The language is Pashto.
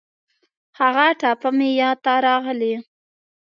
هغه ټپه مې یاد ته راغلې.